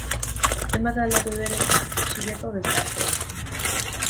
Zenbat aldatu den Siriako gizartea.